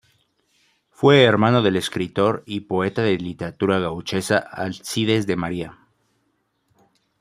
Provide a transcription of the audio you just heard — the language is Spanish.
Fue hermano del escritor y poeta de literatura gauchesca Alcides de María.